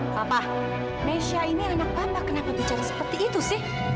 papa nesha ini anak bapak kenapa bicara seperti itu sih